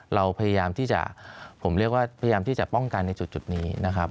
เราพยายามที่จะผมเรียกว่าพยายามที่จะป้องกันในจุดนี้นะครับ